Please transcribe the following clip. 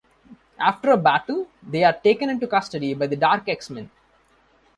After a battle, they are taken into custody by the Dark X-Men.